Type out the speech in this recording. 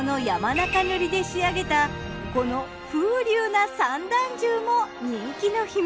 中塗で仕上げたこの風流な三段重も人気の秘密。